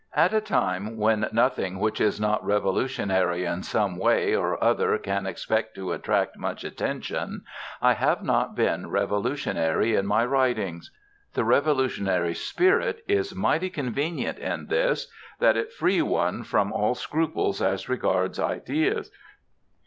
At a time when nothing which is not revolutionary in some way or other can expect to attract much attention I have not been revolutionary in my writings. The revolutionary spirit is mighty convenient in this, that it frees one from all scruples as regards ideas.